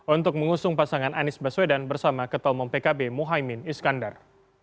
untuk mengusung pasangan anis baswedan bersama ketelmung pkb muhaymin iskandar